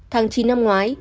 tháng chín năm ngoái